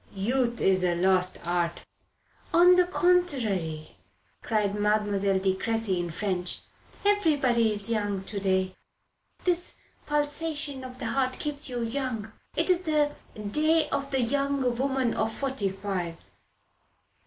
Youth is a lost art." "On the contrary," cried Mademoiselle de Cressy in French. "Everybody is young to day. This pulsation of the heart keeps you young. It is the day of the young woman of forty five."